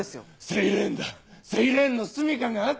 セイレーンのすみかがあった！